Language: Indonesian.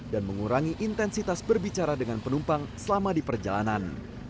dan mengurangi intensitas berbicara dengan penumpang selama di perjalanan